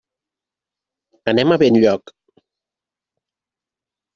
Anem a Benlloc.